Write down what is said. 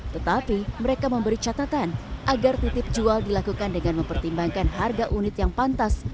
tetapi mereka memberi catatan agar titip jual dilakukan dengan mempertimbangkan harga unit yang pantas